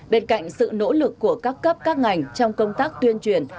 bên cạnh sự nỗ lực của các cấp các ngành trong công tác tuyên truyền